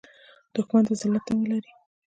دښمن د ذلت تمه لري